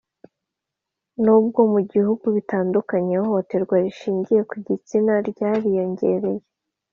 Nubwo mu bihugu bitandukanye ihohoterwa rishingiye ku gitsina ryariyongereye